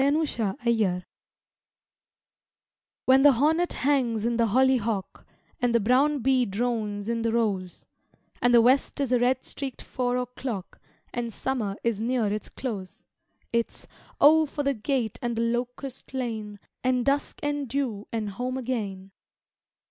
IN THE LANE When the hornet hangs in the hollyhock, And the brown bee drones i' the rose, And the west is a red streaked four o' clock, And summer is near its close It's Oh, for the gate and the locust lane And dusk and dew and home again!